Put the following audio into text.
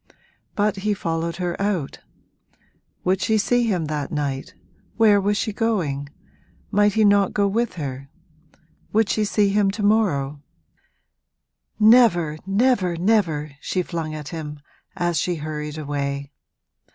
But he followed her out: would she see him that night? Where was she going? might he not go with her? would she see him to morrow? 'Never, never, never!' she flung at him as she hurried away.